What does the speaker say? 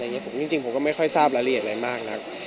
จริงผมก็ไม่ค่อยทราบรายละเอียดอะไรมากนัก